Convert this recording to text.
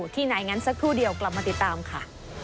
ที่ไหนงั้นสักครู่เดียวกลับมาติดตามค่ะ